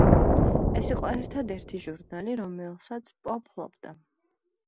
ეს იყო ერთადერთი ჟურნალი, რომელსაც პო ფლობდა.